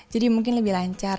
jadi mungkin lebih lancar